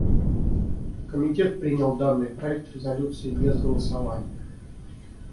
Комитет принял данный проект резолюции без голосования.